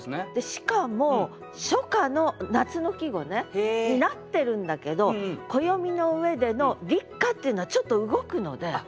しかも初夏の夏の季語になってるんだけど暦の上での立夏っていうのはちょっと動くので。